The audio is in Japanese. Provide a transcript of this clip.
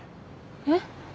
えっ？